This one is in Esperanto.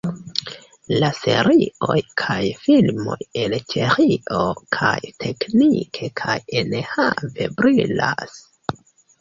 La serioj kaj filmoj el Ĉeĥio kaj teknike kaj enhave brilas.